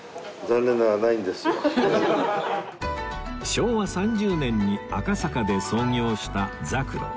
昭和３０年に赤坂で創業したざくろ